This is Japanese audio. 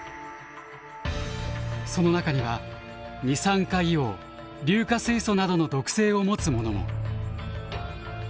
その中には二酸化硫黄硫化水素などの毒性を持つものも。